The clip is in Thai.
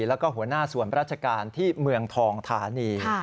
แล้วก็หัวหน้าส่วนราชการที่เมืองทองธานี